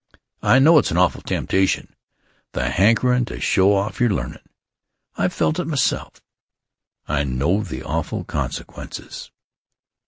I know it's an awful temptation, the hankerin' to show off your learnin'. I've felt it myself, but I always resist it. I know the awful consequences.